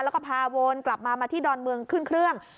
แล้วก็พาวนกลับมามาที่ดอนเมืองขึ้นเครื่อง